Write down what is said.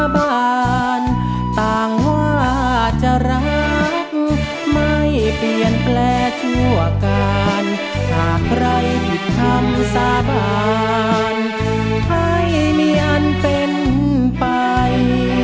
เพลงมาครับโปรดติดตามต่อไป